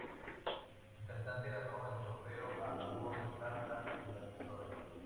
El cantante ganó el trofeo a "La voz de Plata" de la emisora.